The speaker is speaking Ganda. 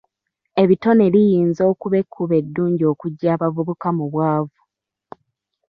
Ebitone liyinza okuba ekkubo eddungi okuggya abavubuka mu bwavu.